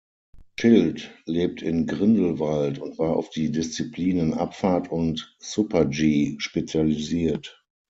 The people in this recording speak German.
Schild lebt in Grindelwald und war auf die Disziplinen Abfahrt und Super-G spezialisiert.